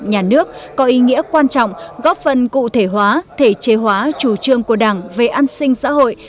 nhà nước có ý nghĩa quan trọng góp phần cụ thể hóa thể chế hóa chủ trương của đảng về an sinh xã hội